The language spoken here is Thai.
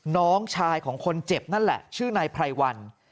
น้องชายของคนเจ็บนั่นแหละชื่อนายไพรวัน